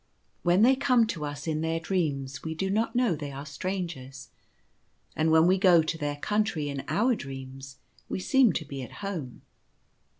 When they come to us in their dreams we do not know they are strangers ; and when we go to their Country in our dreams we seem to be at home.